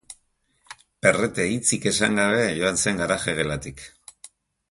PERRETE hitzik esan gabe joan zen garaje-gelatik.